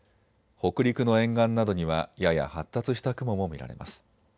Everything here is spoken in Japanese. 北陸の沿岸などにはやや発達した雲も見られます。